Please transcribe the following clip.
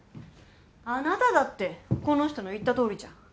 あなただってこの人の言った通りじゃん。